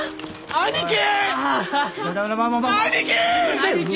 兄貴！